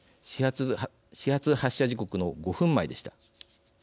始発発車時刻の５分前でした。